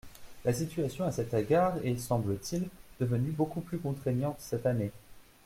La situation à cet égard est, semble-t-il, devenue beaucoup plus contraignante cette année.